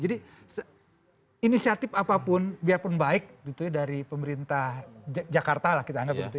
jadi inisiatif apapun biarpun baik gitu ya dari pemerintah jakarta lah kita anggap gitu ya